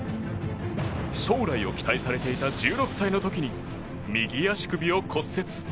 将来を期待されていた１６歳の時に右足首を骨折。